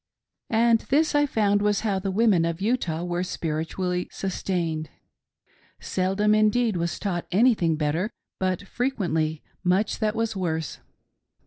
And this I found was how the women of Utah were spirit ually sustained. Seldom, indeed, was taught anything better, but frequently much that was worse.